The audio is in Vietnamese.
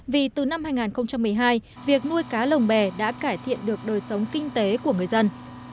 vì từ năm hai nghìn một mươi hai việc nuôi cá lồng bè đã cải thiện được đời sống kinh tế của người dân